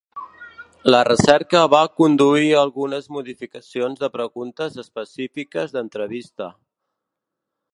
La recerca va conduir a algunes modificacions de preguntes específiques d'entrevista.